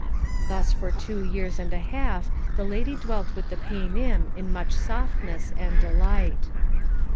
Thus for two years and a half the lady dwelt with the Paynim in much softness and delight.